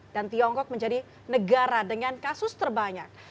dan tiongkok menjadi negara dengan kasus terbanyak